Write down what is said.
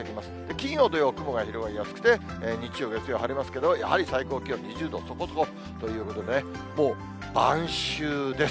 金曜、土曜、雲が広がりやすくて、日曜、月曜、晴れますけれども、やはり最高気温２０度そこそこということでね、もう晩秋です。